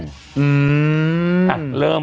ก่อนเริ่ม